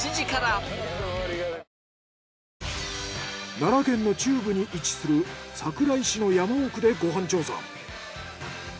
奈良県の中部に位置する桜井市の山奥でご飯調査。